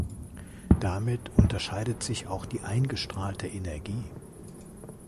Damit unterscheidet sich auch die eingestrahlte Energie.